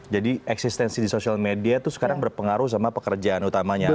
jadi eksistensi di social media itu sekarang berpengaruh sama pekerjaan utamanya